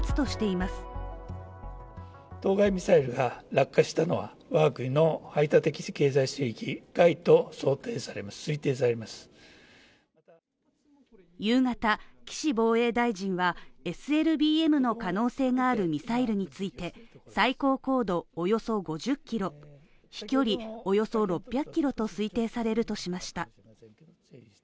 また、夕方、岸防衛大臣はＳＬＢＭの可能性があるミサイルについて、最高高度およそ５０キロ、飛距離およそ６００キロと推定されるとしました。